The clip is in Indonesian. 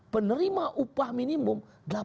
penerima upah minimum